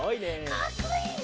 かっこいいね！